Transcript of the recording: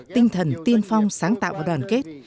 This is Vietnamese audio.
tinh thần tiền phong sáng tạo và đoàn kết